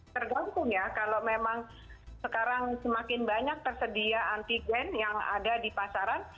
tergantung ya kalau memang sekarang semakin banyak tersedia antigen yang ada di pasaran